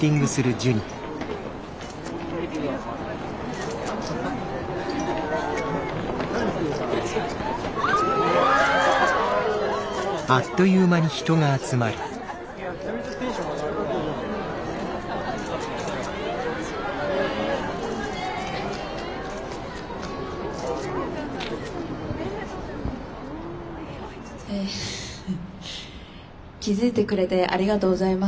気付いてくれてありがとうございます。